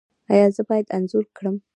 ایا زه باید انځور کړم؟